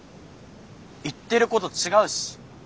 言ってること違うし。